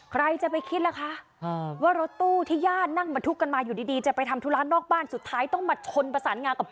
ใครจะไปคิดนะคะ